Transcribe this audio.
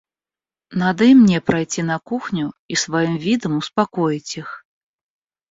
Надо и мне пройти на кухню и своим видом успокоить их.